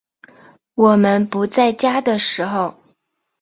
我们不在家的时候